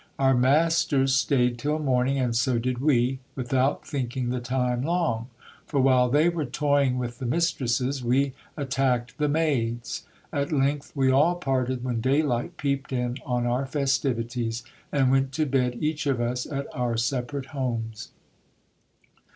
Our masters staid till morning, and so did we, without thinking the time long ; for, while they were toying with the mistresses, we attacked the maids. At length, we all parted when daylight peeped in on our festivities, and went to bed each of us at our separate homes.